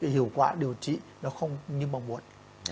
hiệu quả điều trị nó không như mong muốn